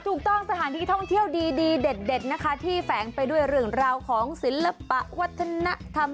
สถานที่ท่องเที่ยวดีเด็ดนะคะที่แฝงไปด้วยเรื่องราวของศิลปะวัฒนธรรม